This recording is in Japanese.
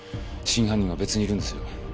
真犯人は別にいるんですよ。